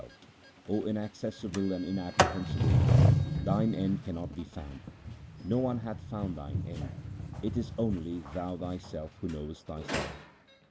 LIFE OF GURU AMAR DAS 121 XII 0 Inaccessible and Inapprehensible One, Thine end cannot be found. No one hath found Thine end ; it is only Thou Thyself who knowest Thyself.